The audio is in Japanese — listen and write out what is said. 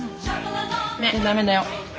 駄目だよ。